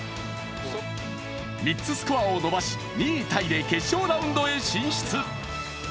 ３つスコアを伸ばし２位タイで決勝ラウンドに進出。